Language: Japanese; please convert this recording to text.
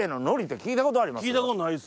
聞いたことないです。